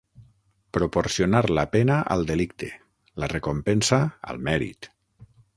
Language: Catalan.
Proporcionar la pena al delicte, la recompensa al mèrit.